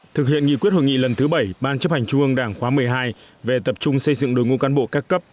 thực hiện nghị quyết hội nghị lần thứ bảy ban chấp hành trung ương đảng khóa một mươi hai về tập trung xây dựng đối ngũ cán bộ các cấp